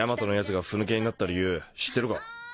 筌弔ふ抜けになった理由知ってるか？